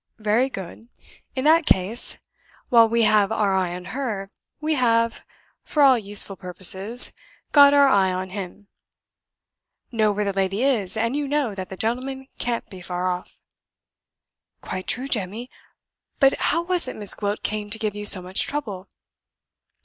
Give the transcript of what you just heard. Very good. In that case, while we have our eye on her, we have, for all useful purposes, got our eye on him. Know where the lady is, and you know that the gentleman can't be far off." "Quite true, Jemmy. But how was it Miss Gwilt came to give you so much trouble?"